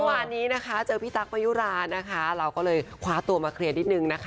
วันนี้เจอพี่ตั๊กประยุราเราก็เลยคว้าตัวมาเคลียดนิดนึง